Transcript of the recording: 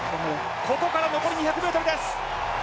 ここから残り２００ｍです。